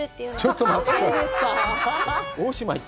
ちょっと待って！？